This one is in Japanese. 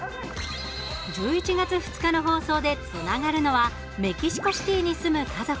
１１月２日の放送でつながるのはメキシコシティーに住む家族。